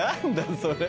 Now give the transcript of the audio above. それ。